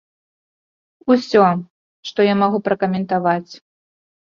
Усё, што я магу пракаментаваць.